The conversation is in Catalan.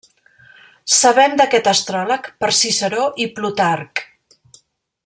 Sabem d'aquest astròleg per Ciceró i Plutarc.